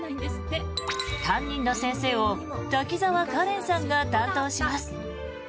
担任の先生を滝沢カレンさんが担当します。